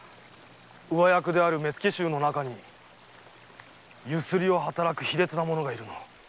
上役の目付衆の中に強請を働く卑劣な者がいるのを。